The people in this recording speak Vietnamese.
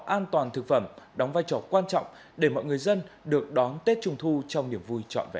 an toàn thực phẩm đóng vai trò quan trọng để mọi người dân được đón tết trung thu trong niềm vui trọn vẹn